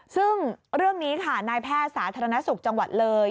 ซึ่งเรื่องนี้ค่ะนายแพทย์สาธารณสุขจังหวัดเลย